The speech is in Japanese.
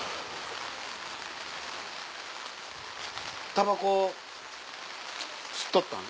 たばこ吸っとったん？